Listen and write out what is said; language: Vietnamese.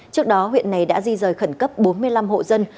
trước đó huyện này đã di rời khẩn cấp bốn mươi năm hộ dân